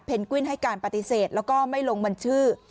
กวินให้การปฏิเสธแล้วก็ไม่ลงมันชื่อ